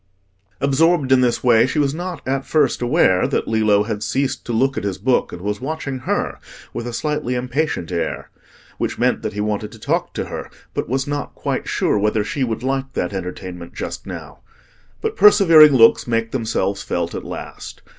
Absorbed in this way, she was not at first aware that Lillo had ceased to look at his book, and was watching her with a slightly impatient air, which meant that he wanted to talk to her, but was not quite sure whether she would like that entertainment just now. But persevering looks make themselves felt at last.